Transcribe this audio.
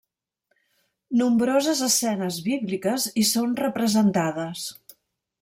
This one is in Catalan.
Nombroses escenes bíbliques hi són representades.